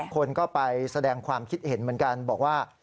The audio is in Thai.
คนก็ไปแสดงความคิดเห็นเหมือนกันบอกว่า